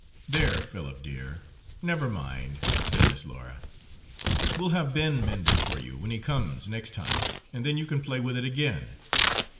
"There, Philip dear, never mind," said Miss Laura, "we'll have Ben mend it for you when he comes, next time, and then you can play with it again."